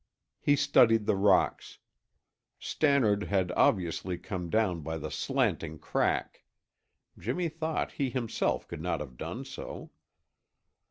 He studied the rocks. Stannard had obviously come down by the slanting crack; Jimmy thought he himself could not have done so.